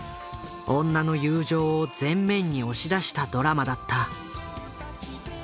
女の友情を前面に押し出したドラマだった。